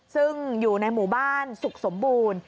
ซึ่งอยู่ในหมู่บ้านสุขสมบูรณ์